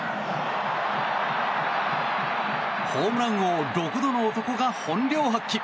ホームラン王６度の男が本領発揮！